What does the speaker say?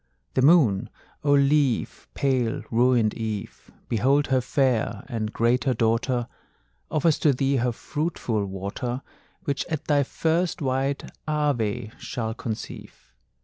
The moon, O leave, pale ruined Eve; Behold her fair and greater daughter[C] Offers to thee her fruitful water, Which at thy first white Ave shall conceive!